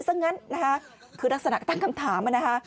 ซังนั้นคือลักษณะตั้งคำถาม